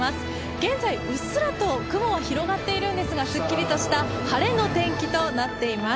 現在うっすらと雲が広がっているんですがすっきりとした晴れの天気となっています。